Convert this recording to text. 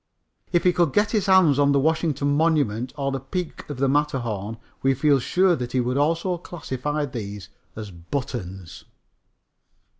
If he could get his hands on the Washington Monument or the peak of the Matterhorn, we feel sure that he would also classify these as buttons.